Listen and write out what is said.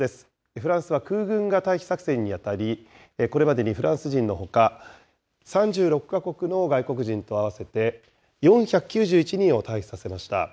フランスは空軍が退避作戦に当たり、これまでにフランス人のほか、３６か国の外国人と合わせて４９１人を退避させました。